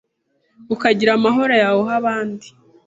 ukagira amahoro yawe uha abandi